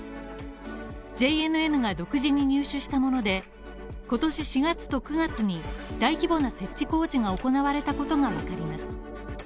ＪＮＮが独自に入手したもので、今年４月と９月に大規模な設置工事が行われたことがわかります。